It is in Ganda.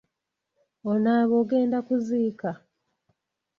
Onaaba ogenda kuziika?